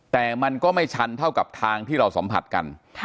แต่มันก็ไม่ชันเท่ากับทางที่เราสัมผัสกัน